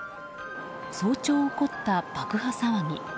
早朝起こった爆破騒ぎ。